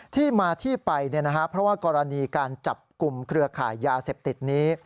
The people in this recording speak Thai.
ที่มาที่ไปเพราะว่ากรณีการจับกลุ่มเครือข่ายยาเสพติดนี้